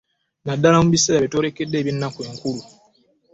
Naddala mu biseera bye twolekedde eby'ennaku enkulu.